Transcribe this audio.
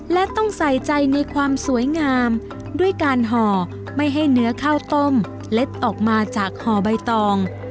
และต้องใส่ใจในความสวยงามด้วยการห่อไม่ให้เนื้อข้าวต้มเล็ดออกมาจากห่อใบตอง